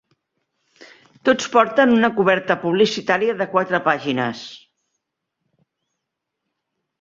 Tots porten una coberta publicitària de quatre pàgines.